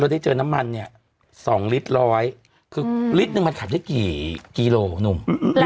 ได้เจอน้ำมันเนี่ย๒ลิตรร้อยคือลิตรหนึ่งมันขัดได้กี่กิโลหนุ่ม